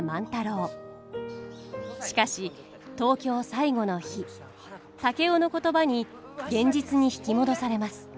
しかし東京最後の日竹雄の言葉に現実に引き戻されます。